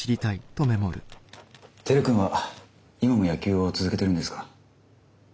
輝君は今も野球を続けてるんですか？